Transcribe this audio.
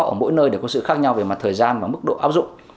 ở mỗi nơi đều có sự khác nhau về mặt thời gian và mức độ áp dụng